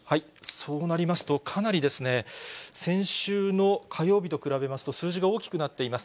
そうなりますと、かなりですね、先週の火曜日と比べますと、数字が大きくなっています。